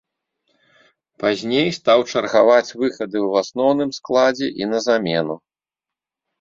Пазней стаў чаргаваць выхады ў асноўным складзе і на замену.